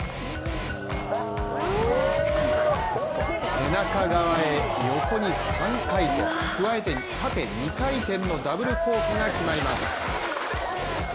背中側へ横に３回転加えて縦２回転のダブルコークが決まります。